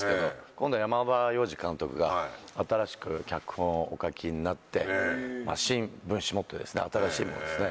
今度山田洋次監督が新しく脚本をお書きになって新『文七元結』ですね新しいものですね。